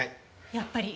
やっぱり。